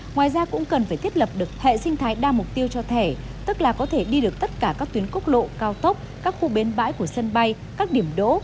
ngoài ra cũng cần phải thiết lập được hệ sinh thái đa mục tiêu cho thẻ tức là có thể đi được tất cả các tuyến quốc lộ cao tốc các khu bến bãi của sân bay các điểm đỗ